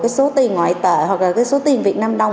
số tiền ngoại tệ hoặc là cái số tiền việt nam đồng